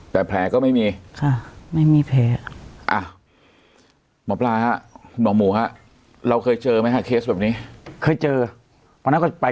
แต่แผลก็ไม่มี